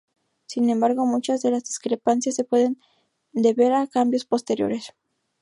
Sin embargo, muchas de las discrepancias se pueden deber a cambios posteriores.